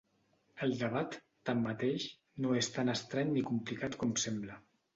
El debat, tanmateix, no és tan estrany ni complicat com sembla.